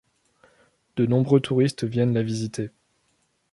De nombreux touristes viennent la visiter.